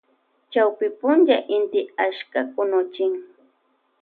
Chawpy punlla inti achka kunuchin.